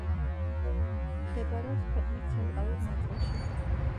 მდებარეობს ქვეყნის ცენტრალურ ნაწილში.